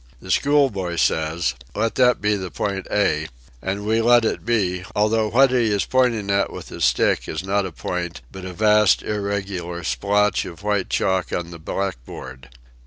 The schoolboy says :*" Let that be the point A," and we let it be although what he is pointing at with his stick is not a point but a vast irregular splotch of white chalk on the black board.